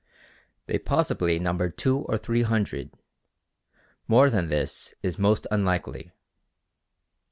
They possibly numbered two or three hundred; more than this is most unlikely.